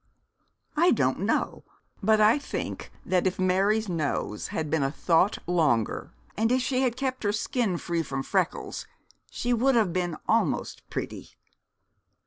'I don't know. But I think that if Mary's nose had been a thought longer, and if she had kept her skin free from freckles she would have been almost pretty.'